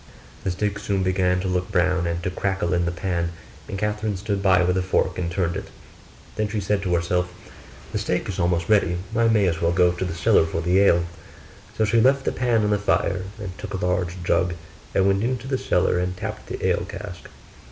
The steak soon began to look brown, and to crackle in the pan; and Catherine stood by with a fork and turned it: then she said to herself, 'The steak is almost ready, I may as well go to the cellar for the ale.' So she left the pan on the fire and took a large jug and went into the cellar and tapped the ale cask.